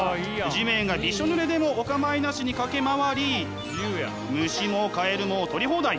地面がびしょぬれでもお構いなしに駆け回り虫もカエルも捕り放題。